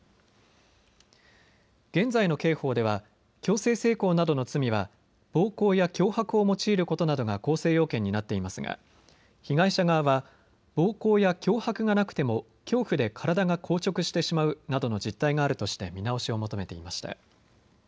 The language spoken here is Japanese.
現在の刑法では強制性交などの罪は暴行や脅迫を用いることなどが構成要件になっていますが被害者側は暴行や脅迫がなくても恐怖で体が硬直してしまうなどの実態があるとして見直しを求めていました。